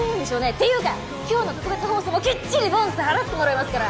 っていうか今日の特別放送もきっちりボーナス払ってもらいますから！